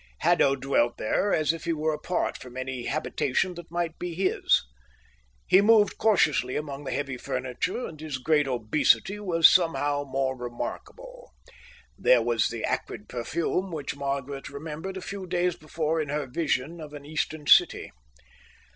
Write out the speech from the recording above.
Haddo dwelt there as if he were apart from any habitation that might be his. He moved cautiously among the heavy furniture, and his great obesity was somehow more remarkable. There was the acrid perfume which Margaret remembered a few days before in her vision of an Eastern city.